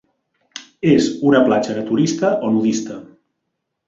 És una platja naturista o nudista.